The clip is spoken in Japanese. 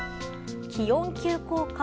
気温急降下。